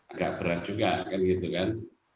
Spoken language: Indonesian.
agak berat juga kan gitu kan